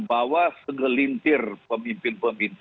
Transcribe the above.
bahwa segelintir pemimpin pemimpin